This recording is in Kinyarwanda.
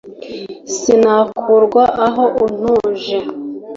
sinakurwa aho untuje